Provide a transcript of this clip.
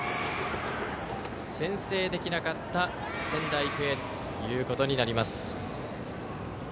先制できなかった仙台育英ということになります。